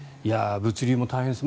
物流も大変です。